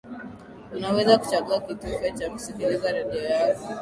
unaweza kuchagua kitufe cha kusikiliza redio yako